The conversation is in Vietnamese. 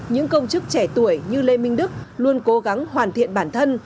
những công chức trẻ tuổi như lê minh đức luôn cố gắng hoàn thiện bản thân